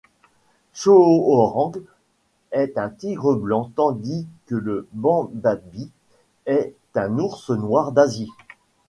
Soohorang est un tigre blanc tandis que Bandabi est un ours noir d'Asie.